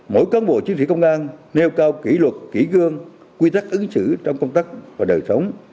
mỗi cân bộ chính sĩ công an nêu cao kỷ luật kỷ gương quy tắc ứng xử trong công tác và đời sống